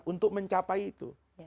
untuk mencapai itu